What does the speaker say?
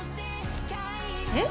えっ？